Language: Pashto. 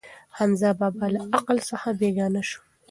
حمزه بابا له عقل څخه بېګانه شو.